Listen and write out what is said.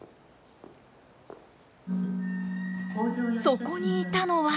そこにいたのは。